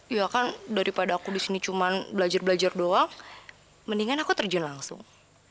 ya kan daripada aku di sini cuman belajar belajar doang mendingan aku terjun langsung